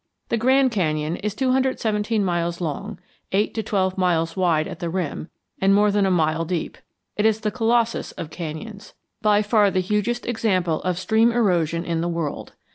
The Grand Canyon is 217 miles long, 8 to 12 miles wide at the rim, and more than a mile deep. It is the Colossus of canyons, by far the hugest example of stream erosion in the world.